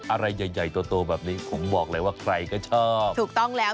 อะไรใหญ่โตแบบนี้ผมบอกเลยว่าใครก็ชอบถูกต้องแล้ว